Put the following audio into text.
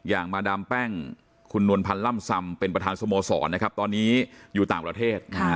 มาดามแป้งคุณนวลพันธ์ล่ำซำเป็นประธานสโมสรนะครับตอนนี้อยู่ต่างประเทศ